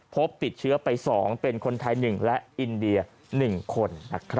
พบติดเชื้อไป๒เป็นคนไทย๑และอินเดีย๑คน